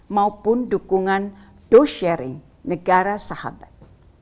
maupun dukungan dosyering negara sahabat